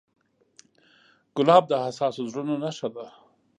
ګلاب د حساسو زړونو نښه ده.